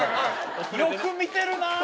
よく見てるなぁ。